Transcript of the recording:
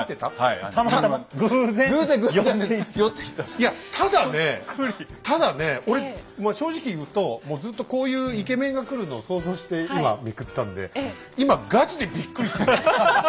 いやただねただね俺正直言うともうずっとこういうイケメンが来るのを想像して今めくったんで今ガチでびっくりしてるんです。